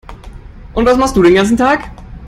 Und was machst du den ganzen Tag?